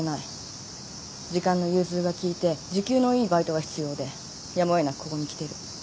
時間の融通が利いて時給のいいバイトが必要でやむを得なくここに来てる。